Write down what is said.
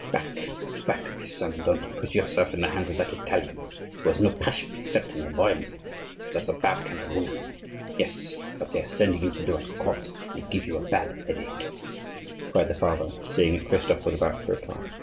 Back, back, my son; don't put yourself in the hands of that Italian, who has no passion except in her brain; and that's a bad kind of woman! Yes, what they are sending you to do at court may give you a very bad headache," cried the father, seeing that Christophe was about to reply.